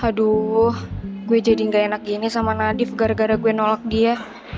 aduh gue jadi gak enak gini sama nadif gara gara gue nolak dia